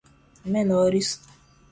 menores